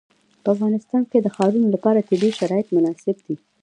په افغانستان کې د ښارونه لپاره طبیعي شرایط مناسب دي.